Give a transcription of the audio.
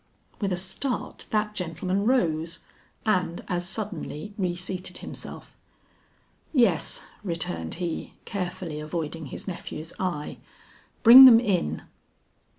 With a start that gentleman rose, and as suddenly reseated himself. "Yes," returned he, carefully avoiding his nephew's eye; "bring them in."